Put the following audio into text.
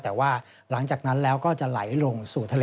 แต่ว่าหลังจากนั้นแล้วก็จะไหลลงสู่ทะเล